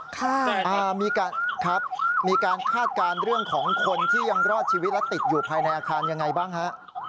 มีการครับมีการคาดการณ์เรื่องของคนที่ยังรอดชีวิตและติดอยู่ภายในอาคารยังไงบ้างฮะ